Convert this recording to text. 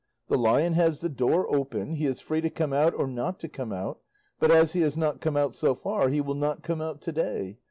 The lion has the door open; he is free to come out or not to come out; but as he has not come out so far, he will not come out to day.